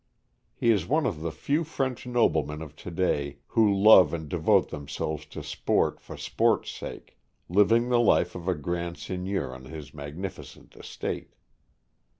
He is one of the few French noblemen of to day who love and devote themselves to sport for sport's sake, living the life of a grand seigneur on his magniricent estate.